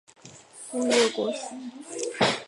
吴越国时复为钱唐县。